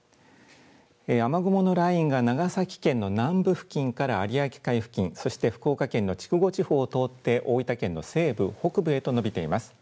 雨雲のラインが長崎県の南部付近から有明海付近、そして福岡県の筑後地方を通って大分県の西部、北部へと延びています。